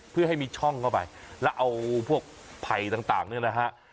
เพื่อให้มีช่องเข้าไปแล้วเอาพวกไผ่ต่างเนี่ยนะฮะ